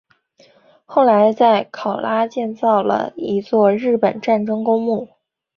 后来在考拉建造了一座日本战争公墓。